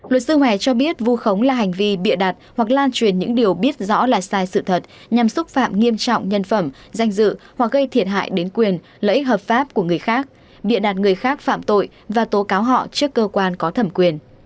luật sư hoài cho biết vu khống là hành vi bịa đặt hoặc lan truyền những điều biết rõ là sai sự thật nhằm xúc phạm nghiêm trọng nhân phẩm danh dự hoặc gây thiệt hại đến quyền lợi ích hợp pháp của người khác bịa đặt người khác phạm tội và tố cáo họ trước cơ quan có thẩm quyền